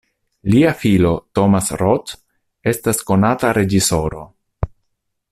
Lia filo Thomas Roth estas konata reĝisoro.